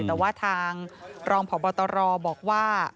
แต่ว่าทางรองพบตรบอกว่า